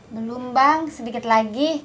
belum bang sedikit lagi